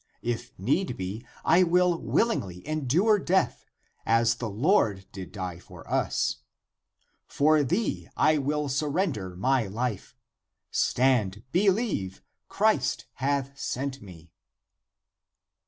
If need be, I will willingly endure death, as the Lord did die for us. For thee I will surrender my life. Stand, believe ; Christ hath sent me."